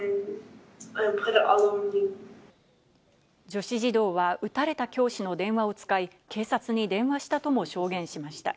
女子児童は撃たれた教師の電話を使い、警察に電話したとも証言しました。